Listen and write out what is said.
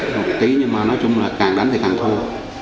một tí nhưng mà nói chung là càng đánh thì càng thu